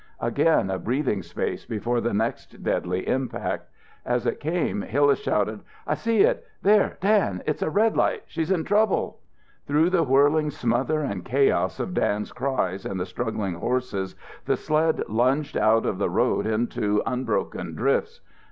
Again a breathing space before the next deadly impact. As it came Hillas shouted, "I see it there, Dan! It's a red light. She's in trouble." Through the whirling smother and chaos of Dan's cries and the struggling horses the sled lunged out of the road into unbroken drifts.